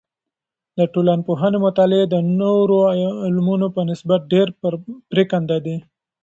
د ټولنپوهنې مطالعې د نورو علمونو په نسبت ډیر پریکنده دی.